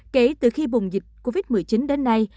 kể từ khi bùng dịch covid một mươi chín đến nay